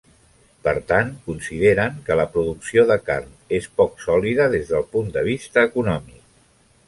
Per tant, consideren que la producció de carn és poc sòlida des del punt de vista econòmic.